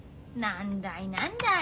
何だい何だい。